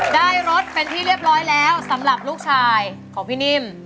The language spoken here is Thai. ได้รถเป็นที่เรียบร้อยแล้วสำหรับลูกชายของพี่นิ่ม